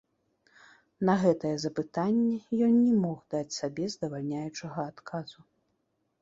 На гэтае запытанне ён не мог даць сабе здавальняючага адказу.